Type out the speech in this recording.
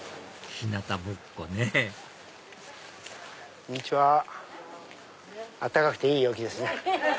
日なたぼっこねこんにちは暖かくていい陽気ですね。